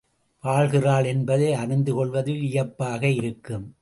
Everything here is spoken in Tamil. வாழ்கிறாள் என்பதை அறிந்துகொள்வது வியப்பாக இருக்கும்.